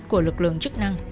của lực lượng chức năng